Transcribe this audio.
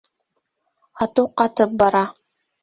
Ату ҡатып бара.